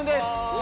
お！